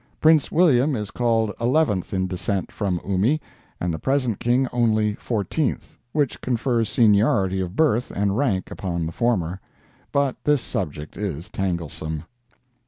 Prince William is called eleventh in descent from Umi, and the present King only fourteenth, which confers seniority of birth and rank upon the former. But this subject is tanglesome.